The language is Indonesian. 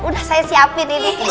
udah saya siapin ini